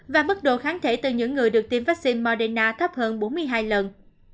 và mức độ kháng thể từ những người được tiêm vắc xin moderna thấp hơn bốn mươi hai lần